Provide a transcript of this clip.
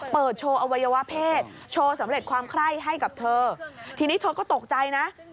เปิดโชว์อวัยวะเพศโชว์สำเร็จความไคร้ให้กับเธอทีนี้เธอก็ตกใจนะ